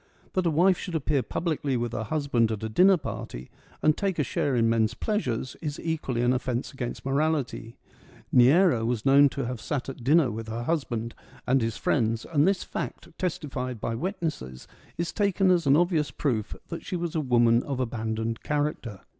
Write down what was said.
That a wife should appear publicly with her husband at a dinner party, and take a share in men's pleasures, is equally an offence against morality. Neaera was known to have sat at dinner with her husband and 184 FEMINISM IN GREEK LITERATURE his friends, and this fact, testified by witnesses, is taken as an obvious proof that she was a woman of abandoned character.